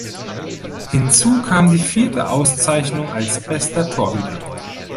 Hinzu kam die vierte Auszeichnung als bester Torhüter.